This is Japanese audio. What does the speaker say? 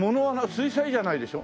水彩じゃないでしょ？